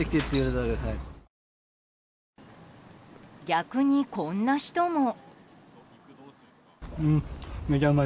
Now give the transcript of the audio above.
逆に、こんな人も。